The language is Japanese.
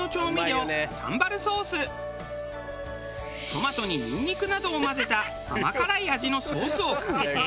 トマトににんにくなどを混ぜた甘辛い味のソースをかけて。